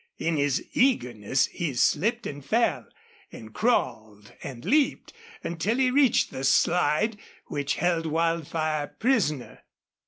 In his eagerness he slipped, and fell, and crawled, and leaped, until he reached the slide which held Wildfire prisoner.